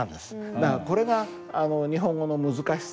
だからこれが日本語の難しさ？